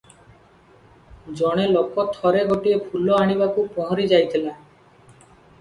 ଜଣେ ଲୋକ ଥରେ ଗୋଟାଏ ଫୁଲ ଆଣିବାକୁ ପହଁରି ଯାଇଥିଲା ।